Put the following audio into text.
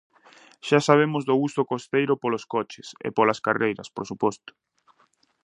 Xa sabemos do gusto costeiro polos coches, e polas carreiras, por suposto.